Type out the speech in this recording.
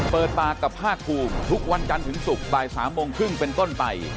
เปิดปากกับภาคภูมิทุกวันจันทร์ถึงศุกร์บ่าย๓โมงครึ่งเป็นต้นไป